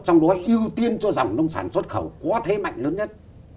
trong đó ưu tiên cho dòng nông sản xuất khẩu có thế mạnh lớn nhất